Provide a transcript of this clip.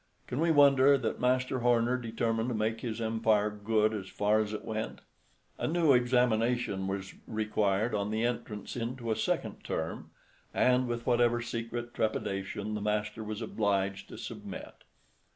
Can we wonder that Master Horner determined to make his empire good as far as it went? A new examination was required on the entrance into a second term, and, with whatever secret trepidation, the master was obliged to submit.